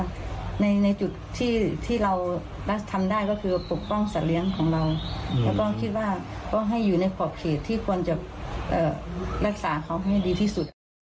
แล้วก็ให้อยู่ในขอบเขตที่คนลักษาเขาดีที่สุด